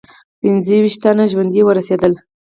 پنځه ویشت تنه ژوندي ورسېدل.